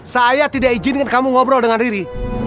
saya tidak izinkan kamu ngobrol dengan ri ri